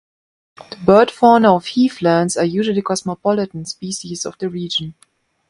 The bird fauna of heathlands are usually cosmopolitan species of the region.